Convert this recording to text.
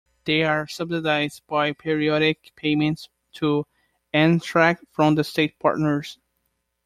They are subsidized by periodic payments to Amtrak from the state partners.